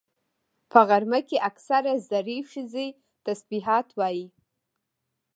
په غرمه کې اکثره زړې ښځې تسبيحات وایي